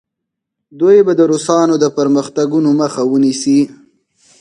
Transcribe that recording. دوی به د روسانو د پرمختګونو مخه ونیسي.